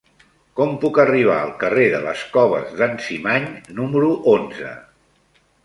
Com puc arribar al carrer de les Coves d'en Cimany número onze?